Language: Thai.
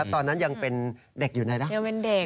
ตอนนั้นยังเป็นเด็กอยู่ไหนนะ